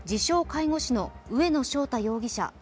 ・介護士の上野翔太容疑者